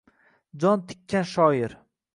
Jon tikkan shoir